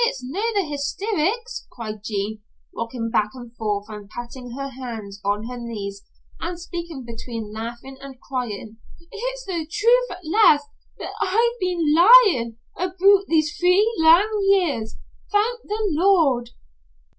"It's no the hystiricks," cried Jean, rocking back and forth and patting her hands on her knees and speaking between laughing and crying. "It's the truth at last, that I've been lyin' aboot these three lang years, thank the Lord!"